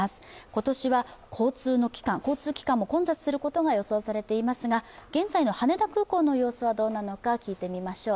今年は交通機関も混雑することが予想されていますが現在の羽田空港の様子はどうなのか聞いてみましょう。